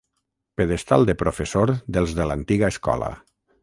Pedestal de professor dels de l'antiga escola.